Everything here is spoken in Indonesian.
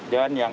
dan yang enam